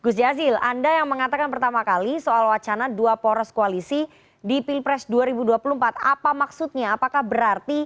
selamat sore apa kabar